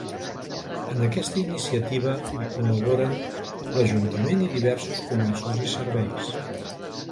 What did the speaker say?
En aquesta iniciativa ho col·laboren l’ajuntament i diversos comerços i serveis.